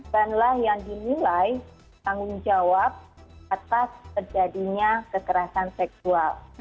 danlah yang dimilai tanggung jawab atas terjadinya kerasan seksual